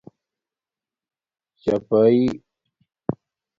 چپݳئئ